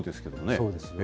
そうですよね。